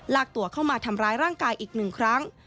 ลากตัวเข้ามาทำร้ายร่างกายอีกหนึ่งครั้ง